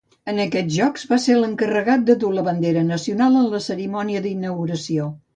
En aquests Jocs va ser l'encarregat de dur la bandera nacional en la cerimònia d'inauguració.